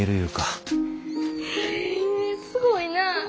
へえすごいなあ。